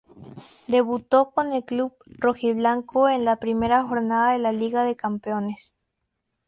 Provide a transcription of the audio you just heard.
Debutó con el club rojiblanco en la primera jornada de la Liga de Campeones.